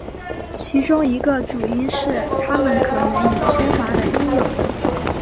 其中一个主因是它们可能已缺乏了应有的。